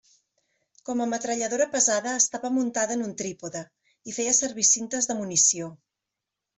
Com a metralladora pesada estava muntada en un trípode i feia servir cintes de munició.